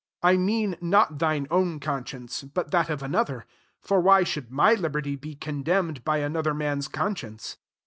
29 I fnean not thine own conscience, t)ut that of another : for why should my liberty be condemned by another man's conscience?